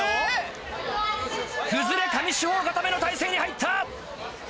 崩上四方固の体勢に入った。